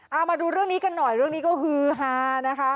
เอามาดูเรื่องนี้กันหน่อยเรื่องนี้ก็ฮือฮานะคะ